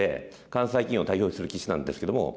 関西棋院を代表する棋士なんですけども。